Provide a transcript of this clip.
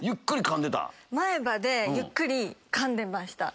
前歯でゆっくりかんでました。